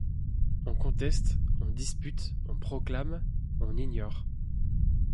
On conteste, on dispute, on proclame, on ignore.